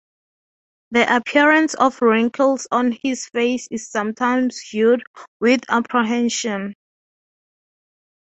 The appearance of wrinkles on his face is sometimes viewed with apprehension.